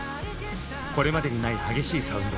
これまでにない激しいサウンド。